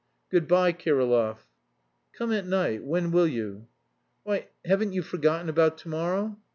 "Good bye, Kirillov." "Come at night; when will you?" "Why, haven't you forgotten about to morrow?"